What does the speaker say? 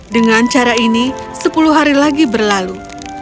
dengan cara ini sepuluh hari lagi berlalu